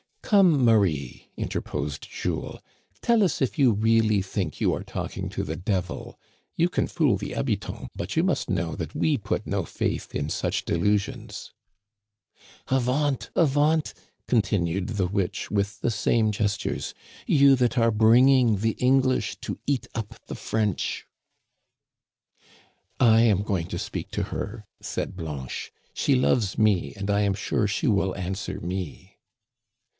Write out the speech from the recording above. "Come, Marie," interposed Jules, "tell us if you really think you are talking to the devil ? You can fool the habitants^ but you must know that we put no faith in such delusions." Digitized by VjOOQIC 134 THE CANADIANS OF OLD, " Avaunt ! Avaunt !" continued the witch with the same gestures, you that are bringing the English to eat up the French." " I am going to speak to her," said Blanche ;" she loves me, and I am sure she will answer me."